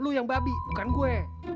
lu yang babi bukan gue